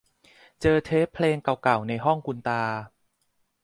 เจอเทปเพลงเก่าเก่าในห้องคุณตา